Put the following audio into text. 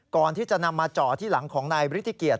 ก่อนที่จะนำมาจ่อที่หลังของนายบริธิเกียรติ